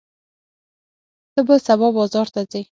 ته به سبا بازار ته ځې؟